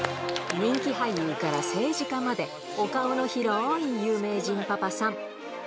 人気俳優から政治家まで、お顔の広い有名人パパさん。